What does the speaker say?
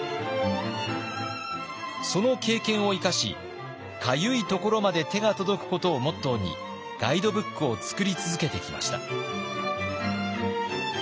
その経験を生かしかゆいところまで手が届くことをモットーにガイドブックを作り続けてきました。